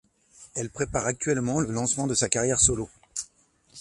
Elle prépare actuellement le lancement de sa carrière solo.